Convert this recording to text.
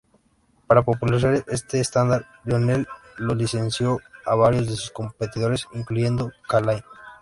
Para popularizar este estándar, Lionel lo licenció a varios de sus competidores, incluyendo K-Line.